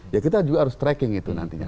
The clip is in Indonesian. ya kita juga harus tracking itu nantinya